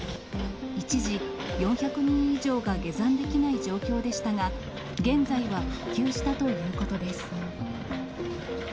一時４００人以上が下山できない状況でしたが、現在は復旧したということです。